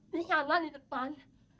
di sana di depan